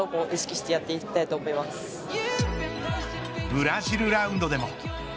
ブラジルラウンドでも。